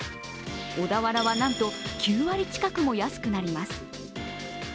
小田原は、なんと９割近くも安くなります。